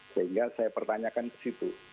sehingga saya pertanyakan ke situ